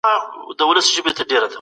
چي آواز به یې خپل قام لره ناورین و